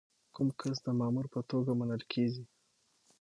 کوم کس د مامور په توګه منل کیږي؟